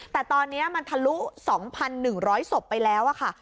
แต่ตอนนี้มันทะลุ๒๑๐๐ศพไปแล้วค่ะ